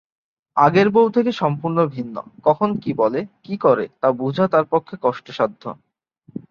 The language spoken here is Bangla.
আগের বউ থেকে সম্পূর্ণ ভিন্ন, কখন কী বলে, কী করে তা বুঝা তার পক্ষে কষ্টসাধ্য।